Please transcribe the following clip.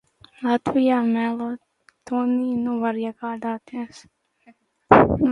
"Latvijā melatonīnu var iegādāties aptiekās kā recepšu medikamentu ar nosaukumu "cirkadīns"."